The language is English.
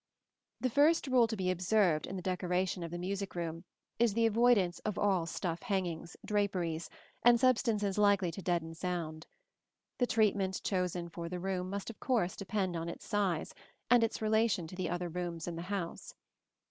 The first rule to be observed in the decoration of the music room is the avoidance of all stuff hangings, draperies, and substances likely to deaden sound. The treatment chosen for the room must of course depend on its size and its relation to the other rooms in the house.